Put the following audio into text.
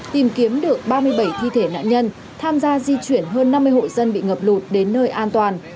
tìm kiếm được ba mươi bảy thi thể nạn nhân tham gia di chuyển hơn năm mươi hộ dân bị ngập lụt đến nơi an toàn